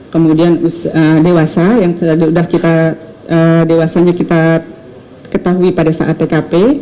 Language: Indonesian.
kemudian dewasa yang sudah kita ketahui pada saat tkp